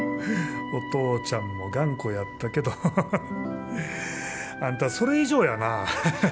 お父ちゃんも頑固やったけどハハハハあんたそれ以上やな。